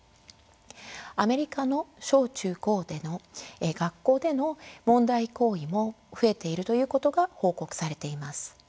アメリカの小中高での学校での問題行為も増えているということが報告されています。